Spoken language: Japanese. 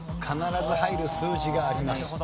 必ず入る数字があります。